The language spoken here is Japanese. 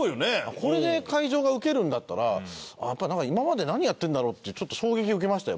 これで会場がウケるんだったらやっぱりなんか今まで何やってるんだろうってちょっと衝撃を受けましたよ